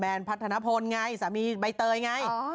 แมนภัทธานพลไงสามีใบเตยไง